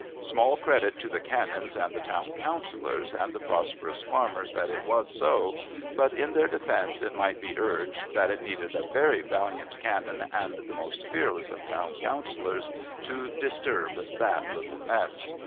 Small credit to the Canons and the Town Councillors and the prosperous farmers that it was so, but in their defence it might be urged that it needed a very valiant Canon and the most fearless of Town Councillors to disturb that little nest.